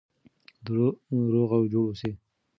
روغ او جوړ اوسئ.